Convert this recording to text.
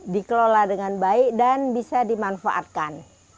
dikelola dengan baik dan bisa dimanfaatkan